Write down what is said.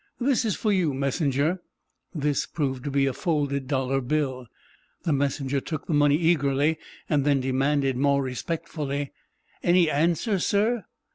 "This is for you, messenger." "This" proved to be a folded dollar bill. The messenger took the money eagerly, then demanded, more respectfully: "Any answer, sir?"